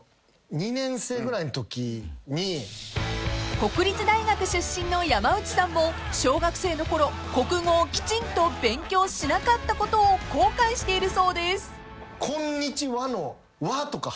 ［国立大学出身の山内さんも小学生のころ国語をきちんと勉強しなかったことを後悔しているそうです］